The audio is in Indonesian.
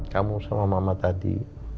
kamu sama mama tadi